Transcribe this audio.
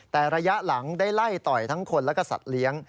แต่ระยะหลังได้ไล่ต่อยทั้งคนและก็สัตว์เลี้ยง